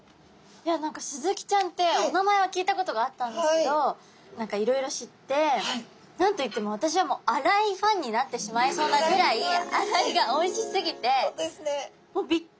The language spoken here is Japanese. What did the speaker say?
いや何かスズキちゃんってお名前は聞いたことがあったんですけど何かいろいろ知って何と言っても私はもう洗いファンになってしまいそうなぐらい洗いがおいしすぎてもうびっくりでした。